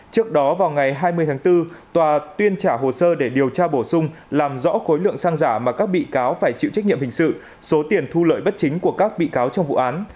trước đó vào ngày hai mươi tháng bốn tòa tuyên trả hồ sơ để điều tra bổ sung làm rõ khối lượng xăng giả mà các bị cáo phải chịu trách nhiệm hình sự số tiền thu lợi bất chính của các bị cáo trong vụ án